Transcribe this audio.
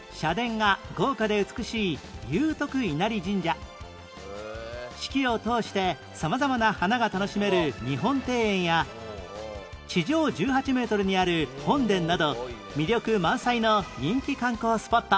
鹿島市にある四季を通して様々な花が楽しめる日本庭園や地上１８メートルにある本殿など魅力満載の人気観光スポット